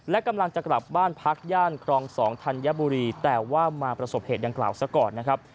และกำลังจะกลับบ้านพักย่านครอง๒ธัญบุรีแต่ว่ามาประสบเหตุดังกล่าวซะก่อนนะครับ